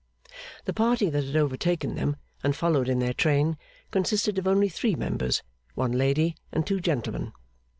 The party that had overtaken them, and followed in their train, consisted of only three members: one lady and two gentlemen.